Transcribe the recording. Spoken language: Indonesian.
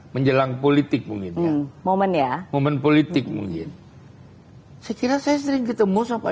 menjelang politik mungkin momen ya momen politik mungkin hai sekiranya saya sering ketemu sama